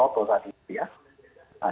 oh tahu saat itu ya